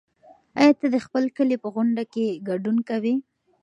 ایا ته د خپل کلي په غونډه کې ګډون کوې؟